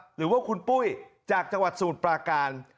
หรือว่าคุณปุ้ยจากจังหวัดสมุทรปราการ